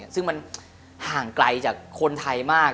ซึ่งมันห่างไกลจากคนไทยมาก